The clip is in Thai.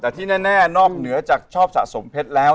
แต่ที่แน่นอกเหนือจากชอบสะสมเพชรแล้ว